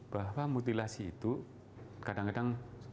bahwa mutilasi itu kadang kadang